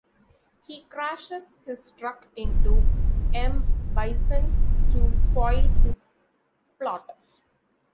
He crashes his truck into M. Bison's to foil his plot.